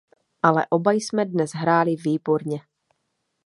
Ale oba jsme dnes hráli výborně.